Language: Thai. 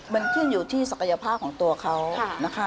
มันขึ้นอยู่ที่ศักยภาพของตัวเขานะคะ